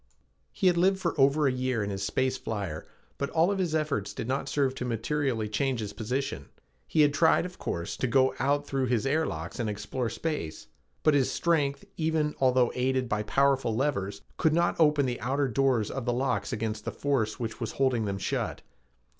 He had lived for over a year in his space flyer, but all of his efforts did not serve to materially change his position. He had tried, of course, to go out through his air locks and explore space, but his strength, even although aided by powerful levers, could not open the outer doors of the locks against the force which was holding them shut.